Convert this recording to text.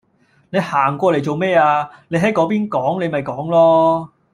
你行過嚟做咩呀，你喺嗰邊講你咪講囉